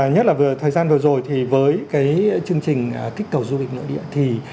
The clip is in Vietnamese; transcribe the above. nhất là thời gian vừa rồi thì với cái chương trình kích cầu du lịch nội địa thì